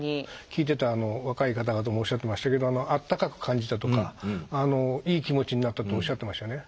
聞いてたあの若い方々もおっしゃってましたけどあったかく感じたとかいい気持ちになったとおっしゃってましたよね。